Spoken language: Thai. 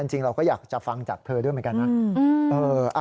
จริงเราก็อยากจะฟังจากเธอด้วยเหมือนกันนะ